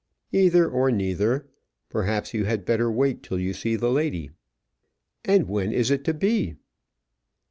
"Either or neither. Perhaps you had better wait till you see the lady." "And when is it to be?"